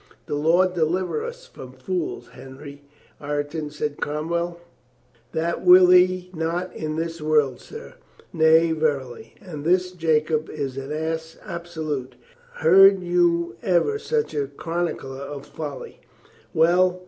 "The Lord deliver us from fools, Henry Ireton," said Cromwell. "That will He not in this world, sir." "Nay, verily. And this Jacob is an ass absolute. Heard you ever such a chronicle of folly? Well.